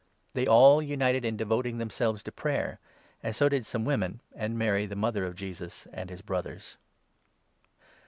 They all united in devoting 14 themselves to Prayer, and so did some women, and Mary, the mother of Jesus, and his brothers.